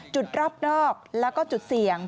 จุดรอบนอกแล้วก็จุดเสี่ยง